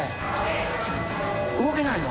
動けないの？